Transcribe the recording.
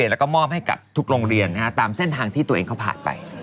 แล้วก็มอบให้กับทุกโรงเรียนตามเส้นทางที่ตัวเองเขาผ่านไป